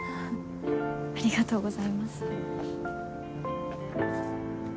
ありがとうございます。